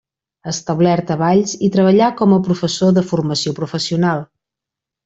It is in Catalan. Establert a Valls, hi treballà com a professor de Formació Professional.